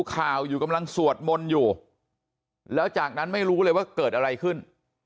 ข่าวอยู่กำลังสวดมนต์อยู่แล้วจากนั้นไม่รู้เลยว่าเกิดอะไรขึ้น